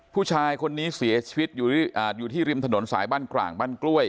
ผู้ชายคนนี้เสียชีวิตอยู่ที่ริมถนนสายบ้านกลางบ้านกล้วย